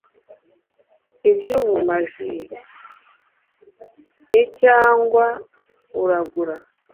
iby ubumaji i cyangwa uragura